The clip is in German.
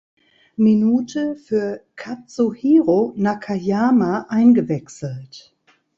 Minute für Katsuhiro Nakayama eingewechselt.